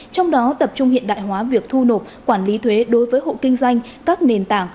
trong đó tập trung hiện đại hóa việc thu nộp quản lý thuế đối với hộ kinh doanh các nền tảng